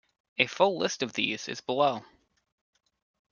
A full list of these is below.